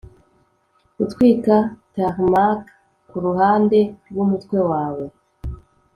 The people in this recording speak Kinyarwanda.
gutwika tarmac kuruhande rwumutwe wawe